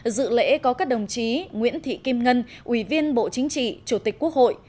dự lễ có các đồng chí nguyễn thị kim ngân ủy viên bộ chính trị chủ tịch quốc hội